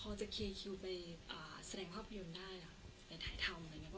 แล้วก็คิวงานเพลงก็แน่นอยู่ค่ะ